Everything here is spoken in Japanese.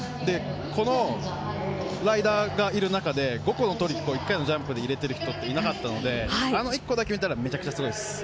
このライダーがいる中で５個のトリックを１回のジャンプで入れてる人っていなかったので、あの１個だけ決めたら、すごいです。